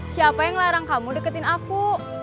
siapa yang larang kamu deketin aku